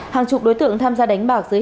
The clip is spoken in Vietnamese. hàng chục đối tượng tham gia đánh bạc dưới hình